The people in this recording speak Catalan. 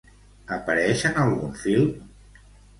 Apareix en algun film?